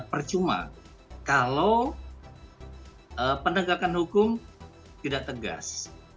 percuma kalau penegakan hukum tidak tegas